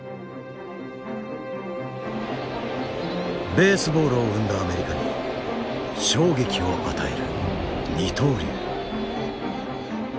ベースボールを生んだアメリカに衝撃を与える二刀流。